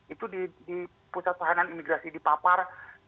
itu di pusat tahanan imigrasi di papar